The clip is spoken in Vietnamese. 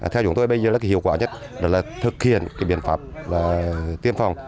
theo chúng tôi bây giờ hiệu quả nhất là thực hiện biện pháp tiêm phòng